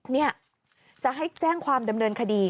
เนี่ยจะให้แจ้งความดำเนินคดี